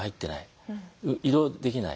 移動できない。